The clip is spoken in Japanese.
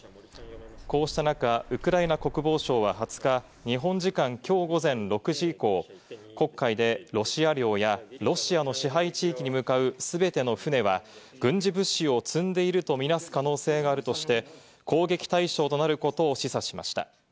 こうした中、ウクライナ国防省は２０日、日本時間きょう午前６時以降、黒海でロシア領やロシアの支配地域に向かう全ての船は軍事物資を積んでいるとみなす可能性があるとして、攻撃対象となることを示唆しました。